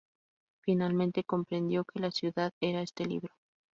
Finalmente comprendió que la ciudad era este libro.